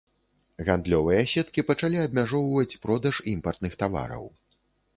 Гандлёвыя сеткі пачалі абмяжоўваць продаж імпартных тавараў.